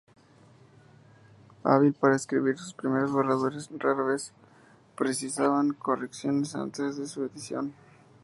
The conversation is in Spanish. Hábil para escribir, sus primeros borradores rara vez precisaban correcciones antes de su edición.